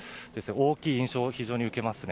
大きい印象を非常に受けますね。